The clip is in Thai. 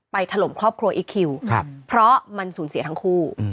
ถล่มครอบครัวอีคคิวเพราะมันสูญเสียทั้งคู่